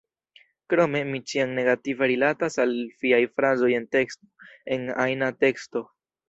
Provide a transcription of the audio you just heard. Krome, mi ĉiam negative rilatas al fiaj frazoj en teksto, en ajna teksto.